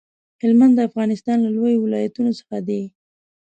هلمند د افغانستان له لويو ولايتونو څخه دی.